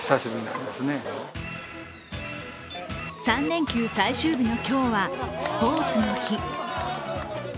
３連休最終日の今日はスポーツの日。